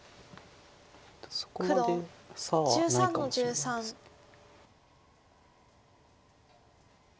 そこまで差はないかもしれないです。